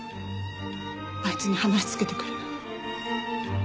あいつに話つけてくる。